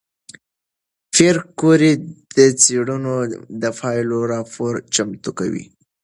پېیر کوري د څېړنو د پایلو راپور چمتو کړ.